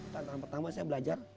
pertama tama saya belajar